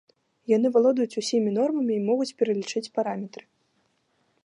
Яны валодаюць усімі нормамі і могуць пералічыць параметры.